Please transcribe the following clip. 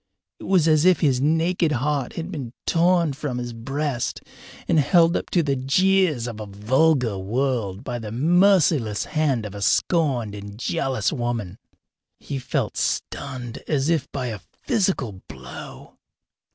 It was as if his naked heart had been torn from his breast and held up to the jeers of a vulgar world by the merciless hand of a scorned and jealous woman. He felt stunned as if by a physical blow.